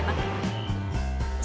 enak sih enak